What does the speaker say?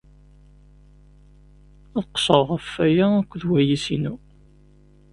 Ad qeṣṣreɣ ɣef waya akked wayis-inu.